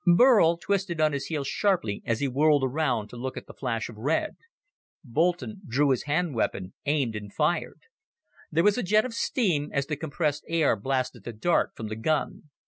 Burl twisted on his heel sharply as he whirled around to look at the flash of red. Boulton drew his hand weapon, aimed and fired. There was a jet of steam as the compressed air blasted the dart from the gun.